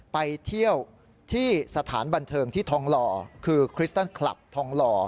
ไปเที่ยวที่สถานบันเทิงที่ทองหล่อคือคริสตันคลับทองหล่อ